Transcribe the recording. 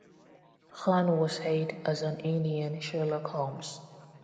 Khan was hailed as an Indian "Sherlock Holmes".